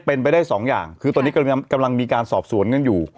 เป็นไปได้สองอย่างคือตอนนี้กำลังมีการสอบสวนกันอยู่